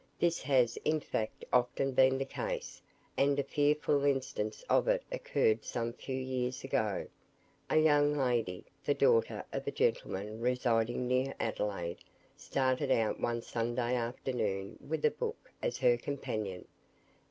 This has in fact often been the case, and a fearful instance of it occurred some few years ago. A young lady the daughter of a gentleman residing near Adelaide started out one Sunday afternoon with a book as her companion.